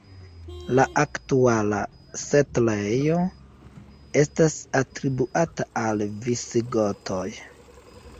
La aktuala setlejo estas atribuata al visigotoj.